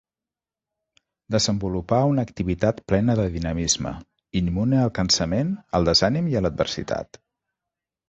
Desenvolupà una activitat plena de dinamisme, immune al cansament, al desànim i a l'adversitat.